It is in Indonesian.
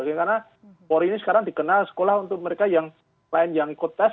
karena polri ini sekarang dikenal sekolah untuk mereka yang lain yang ikut tes